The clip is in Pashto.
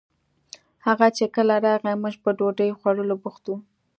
هغه چې کله راغئ موږ په ډوډۍ خوړولو بوخت وو